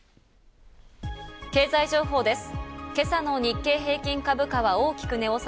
経済情報です。